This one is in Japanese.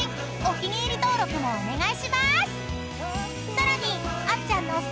［さらに］